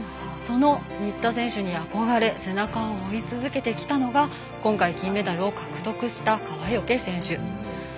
その新田選手に憧れ背中を追い続けてきたのが今回金メダルを獲得した川除選手。